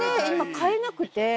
買えなくて。